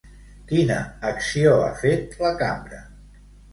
Quina acció ha fet la cambra?